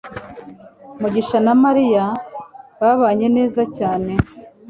mugisha na Mariya babanye neza cyane